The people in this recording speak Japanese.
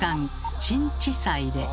「鎮地祭」で。